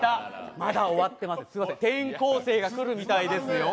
まだ終わってません、転校生が来るみたいですよ。